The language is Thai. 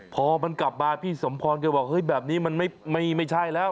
พอมันกลับมาพี่สมพรแกบอกเฮ้ยแบบนี้มันไม่ใช่แล้ว